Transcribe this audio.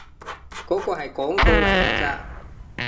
嗰個係廣告嚟㗎咋